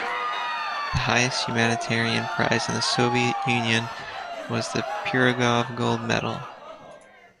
The highest humanitarian prize in the Soviet Union was the Pirogov Gold Medal.